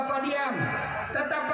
tetap pakai masker